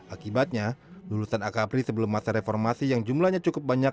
akibatnya lulusan akapri sebelum masa reformasi yang jumlahnya cukup banyak